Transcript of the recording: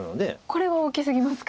これは大きすぎますか。